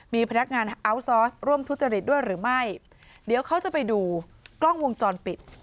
มีพนักงานอัลซอสร่วมทุจริตด้วยหรือไม่เดี๋ยวเขาจะไปดูกล้องวงจรปิด